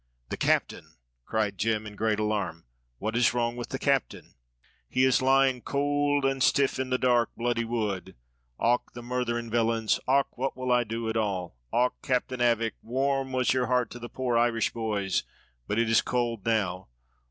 "The captain," cried Jem, in great alarm. "What is wrong with the captain?" "He is lying could and stiff in the dark, bloody wood. Och, the murthering villains! och, what will I do at all! och, captain, avick, warm was your heart to the poor Irish boys, but it is could now.